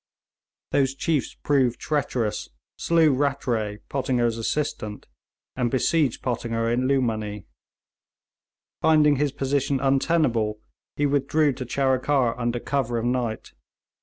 Those chiefs proved treacherous, slew Rattray, Pottinger's assistant, and besieged Pottinger in Lughmanee. Finding his position untenable, he withdrew to Charikar under cover of night.